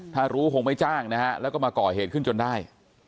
ถ้ารู้คงไม่จ้างนะฮะแล้วก็มาก่อเหตุขึ้นจนได้